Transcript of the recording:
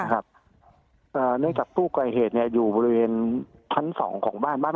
ครับเนื่องจากผู้กลายเหตุเนี่ยอยู่บริเวณทั้งสองของบ้าน